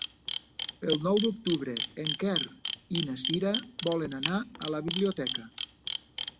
El nou d'octubre en Quer i na Cira volen anar a la biblioteca.